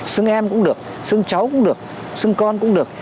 xưng em cũng được xưng cháu cũng được sưng con cũng được